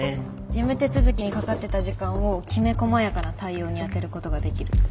事務手続きにかかってた時間をきめこまやかな対応に充てることができる。